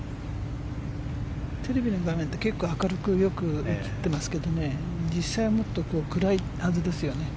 テレビの画面って結構明るく、よく映ってますけど実際はもっと暗いはずですよね。